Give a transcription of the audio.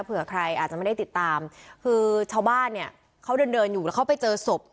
เผื่อใครอาจจะไม่ได้ติดตามคือชาวบ้านเนี่ยเขาเดินเดินอยู่แล้วเขาไปเจอศพ